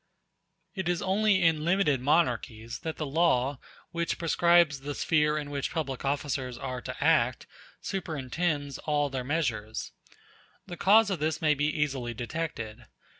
It is only in limited monarchies that the law, which prescribes the sphere in which public officers are to act, superintends all their measures. The cause of this may be easily detected.